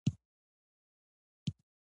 کرنه د خوراکي موادو د تولید ستره سرچینه ده.